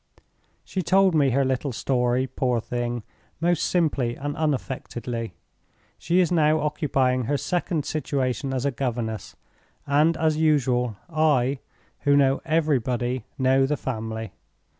"She told me her little story, poor thing, most simply and unaffectedly. She is now occupying her second situation as a governess—and, as usual, I, who know everybody, know the family.